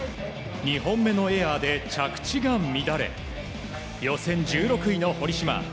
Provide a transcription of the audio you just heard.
２本目のエアで着地が乱れ予選１６位の堀島。